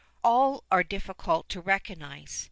All are difficult to recognise.